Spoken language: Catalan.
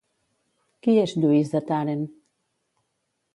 Qui és Lluís de Tàrent?